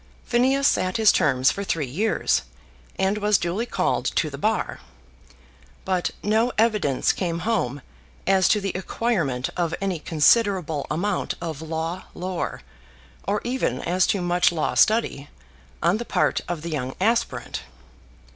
Phineas sat his terms for three years, and was duly called to the Bar; but no evidence came home as to the acquirement of any considerable amount of law lore, or even as to much law study, on the part of the young aspirant.